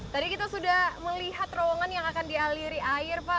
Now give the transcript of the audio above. tadi kita sudah melihat terowongan yang akan dialiri air pak